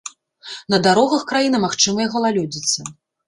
На дарогах краіны магчымая галалёдзіца.